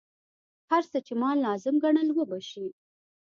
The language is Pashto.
هر څه چې ما لازم ګڼل وبه شي.